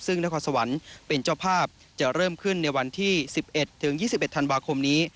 ซึ่งนครสวรรค์เป็นเจ้าภาพจะเริ่มขึ้นในวันที่๑๑๒๑ธันวาคมนี้